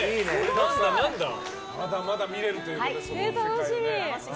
まだまだ見れるということでその世界をね。